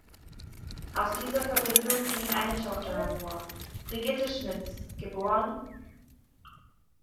Aus dieser Verbindung ging eine Tochter hervor: Brigitte Schmitz, geb.